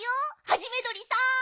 ハジメどりさん。